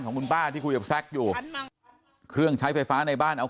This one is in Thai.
ของคุณป้าที่คุยกับแซคอยู่เครื่องใช้ไฟฟ้าในบ้านเอา